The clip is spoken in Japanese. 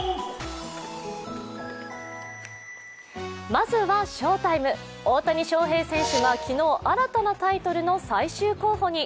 まずは翔タイム、大谷翔平選手が昨日、新たなタイトルの最終候補に。